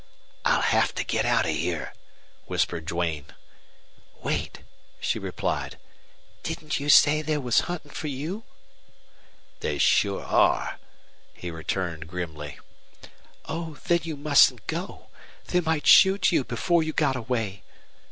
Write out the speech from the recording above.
"I'll have to get out of here," whispered Duane. "Wait," she replied. "Didn't you say they were hunting for you?" "They sure are," he returned, grimly. "Oh, then you mustn't go. They might shoot you before you got away.